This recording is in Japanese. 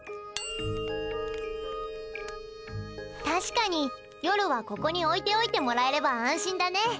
確かに夜はここに置いておいてもらえれば安心だね。